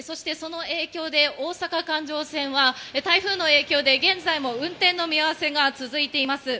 大阪環状線は台風の影響で現在も運転の見合わせが続いています。